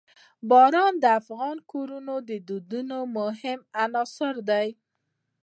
باران د افغان کورنیو د دودونو مهم عنصر دی.